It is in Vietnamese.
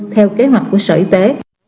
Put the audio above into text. theo kế hoạch của sở y tế